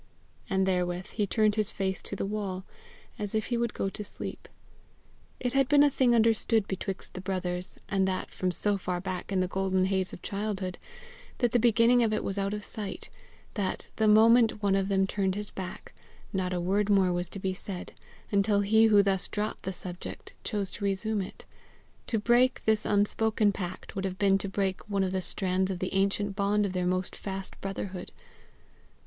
And therewith he turned his face to the wall, as if he would go to sleep. It had been a thing understood betwixt the brothers, and that from so far back in the golden haze of childhood that the beginning of it was out of sight, that, the moment one of them turned his back, not a word more was to be said, until he who thus dropped the subject, chose to resume it: to break this unspoken compact would have been to break one of the strands in the ancient bond of their most fast brotherhood.